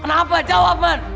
kenapa jawab man